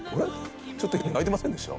ちょっと今泣いてませんでした？